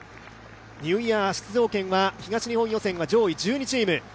ニューイヤー出場権は、東日本実業団駅伝は上位１２チーム。